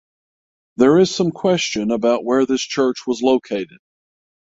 There is some question about where this church was located.